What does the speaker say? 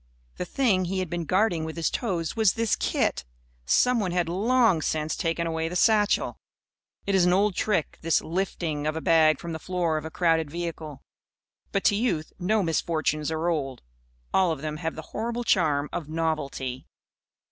The thing he had been guarding with his toes was this kit. Someone had long since taken away the satchel. It is an old trick, this "lifting" of a bag from the floor of a crowded vehicle. But to youth no misfortunes are old. All of them have the horrible charm of novelty.